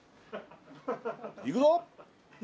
いくぞ！